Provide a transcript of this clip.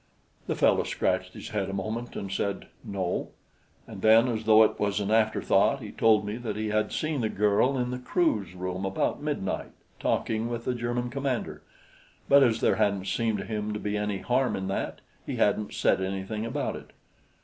The fellow scratched his head a moment and said, "No," and then as though it was an afterthought, he told me that he had seen the girl in the crew's room about midnight talking with the German commander, but as there hadn't seemed to him to be any harm in that, he hadn't said anything about it.